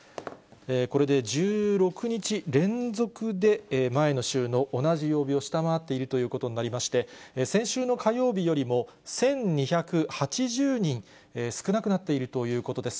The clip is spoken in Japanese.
これで１６日連続で、前の週の同じ曜日を下回っているということになりまして、先週の火曜日よりも１２８０人少なくなっているということです。